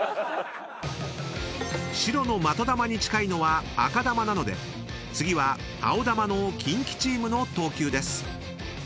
［白の的球に近いのは赤球なので次は青球のキンキチームの投球です］